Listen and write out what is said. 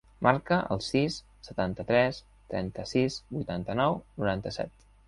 Marca el sis, setanta-tres, trenta-sis, vuitanta-nou, noranta-set.